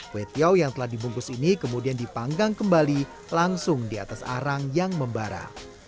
kue tiau yang telah dibungkus ini kemudian dipanggang kembali langsung di atas arang yang membara